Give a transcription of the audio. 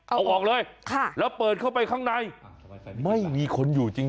เอาออกเลยแล้วเปิดเข้าไปข้างในไม่มีคนอยู่จริง